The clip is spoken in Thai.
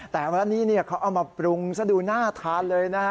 แต่วันนี้เขาเอามาปรุงซะดูน่าทานเลย